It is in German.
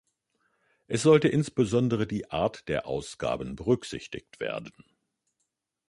Es sollte insbesondere die Art der Ausgaben berücksichtigt werden.